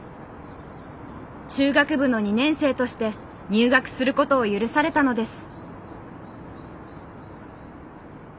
中学部の２年生として入学することを許されたのです。